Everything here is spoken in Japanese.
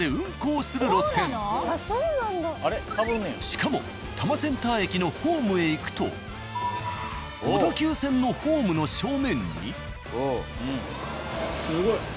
しかも多摩センター駅のホームへ行くと小田急線のホームの正面に。